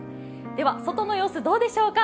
では外の様子どうでしょうか。